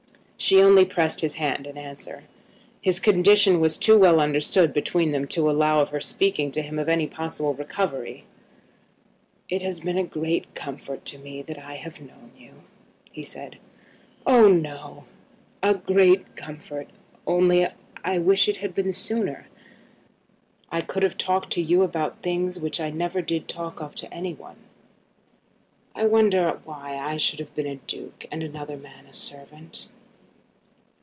She only pressed his hand in answer. His condition was too well understood between them to allow of her speaking to him of any possible recovery. "It has been a great comfort to me that I have known you," he said. "Oh no!" "A great comfort; only I wish it had been sooner. I could have talked to you about things which I never did talk of to any one. I wonder why I should have been a duke, and another man a servant."